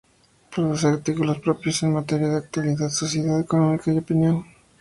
Produce artículos propios en materia de actualidad, sociedad, economía y opinión.